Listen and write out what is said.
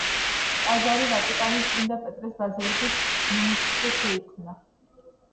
ტაძარი ვატიკანის წმინდა პეტრეს ბაზილიკის ნიმუშზე შეიქმნა.